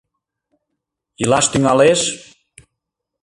Илаш тӱҥалеш?